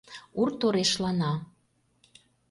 Ур торешлана.